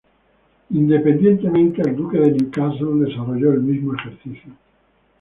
Independientemente, el Duque de Newcastle desarrolló el mismo ejercicio.